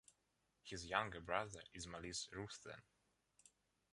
His younger brother is Malise Ruthven.